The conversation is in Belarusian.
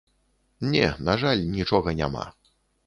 Не, на жаль, нічога няма.